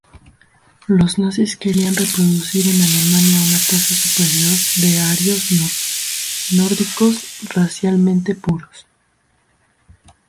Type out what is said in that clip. Los nazis querían reproducir en Alemania una raza superior de arios nórdicos racialmente puros.